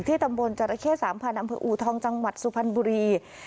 ตำบลจราเข้๓๐๐๐อำเภออูทองจังหวัดสุพรรณบุรี